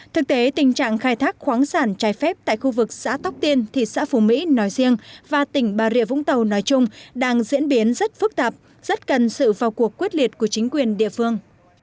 thực tế tình trạng khai thác khoáng sản trái phép tại khu vực xã tóc tiên thị xã phú mỹ nói riêng và tỉnh bà rịa vũng tàu nói chung đang diễn biến rất phức tạp rất cần sự vào cuộc quyết liệt của chính quyền địa phương